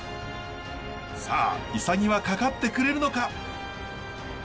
さあイサギはかかってくれるのか！？